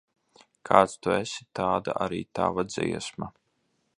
Kāds tu esi, tāda arī tava dziesma.